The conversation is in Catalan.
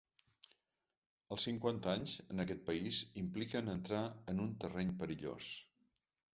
Els cinquanta anys, en aquest país, impliquen entrar en un terreny perillós.